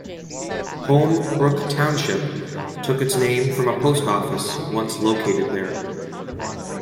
Home Brook Township took its name from a post office once located there.